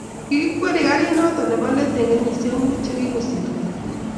kikikweri karit noto nebo let eng kenyishek muut che kikosirto